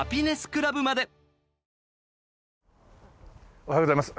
おはようございます。